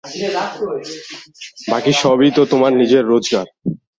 বাকি সবই তো তোমার নিজের রোজগার।